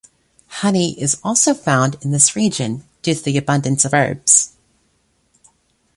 Honey is also found in this region, due to the abundance of herbs.